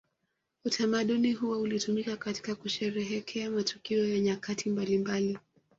Utamaduni huo ulitumika katika kusherehekea matukio ya nyakati mbalimbali